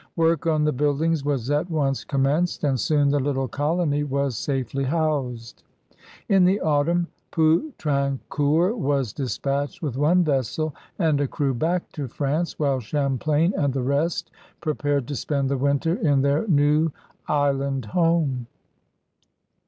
Work on the buildings was at once conmienced, and soon the little colony was safely housed. In the autunm Poutrincourt was dispatched with one vessel and a crew back to France, while Champlain and the rest pr^ared to spend the winter in their new island home.